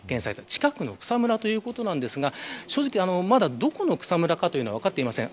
近くの草むらということですがどこの草むらかは分かっていません。